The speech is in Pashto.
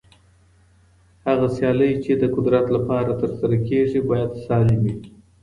هغه سيالۍ چي د قدرت لپاره ترسره کېږي بايد سالمي وي.